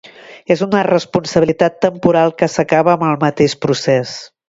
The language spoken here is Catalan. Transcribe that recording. És una responsabilitat temporal que s’acaba amb el mateix procés.